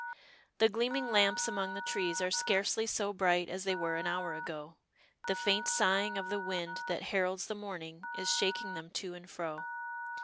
The gleaming lamps among the trees are scarcely so bright as they were an hour ago, the faint sighing of the wind that heralds the morning is shaking them to and fro.